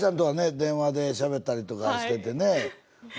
電話でしゃべったりとかしててねはい。